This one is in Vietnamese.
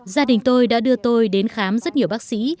gia đình tôi đã đưa tôi đến khám rất nhiều bác sĩ